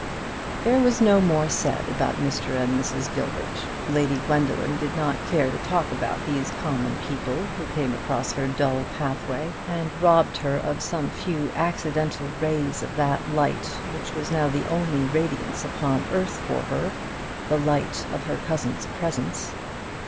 There was no more said about Mr. and Mrs. Gilbert. Lady Gwendoline did not care to talk about these common people, who came across her dull pathway, and robbed her of some few accidental rays of that light which was now the only radiance upon earth for her, the light of her cousin's presence.